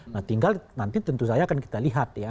nah tinggal nanti tentu saja akan kita lihat ya